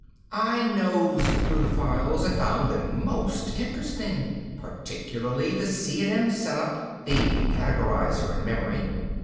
I nosed through the files and found them most interesting. Particularly the C & M setup the Categorizer and Memory.